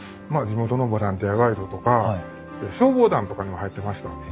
地元のボランティアガイドとか消防団とかにも入ってました。